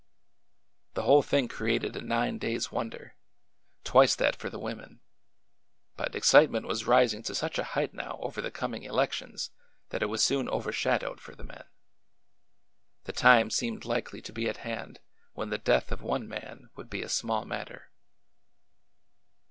The whole thing created a nine days' wonder, — twice that for the women,— but excitement was rising to such a height now over the coming elections that it was soon overshadowed for the men. The time seemed likely to i68 ORDER NO. 11 be at hand when the death of one man would be a small matter.